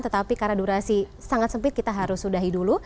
tetapi karena durasi sangat sempit kita harus sudahi dulu